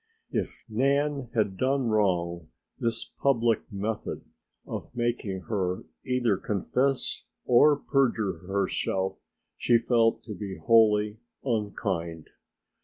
If Nan had done wrong this public method of making her either confess or perjure herself she felt to be wholly unkind.